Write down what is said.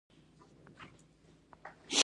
زما تبه نه کمیږي.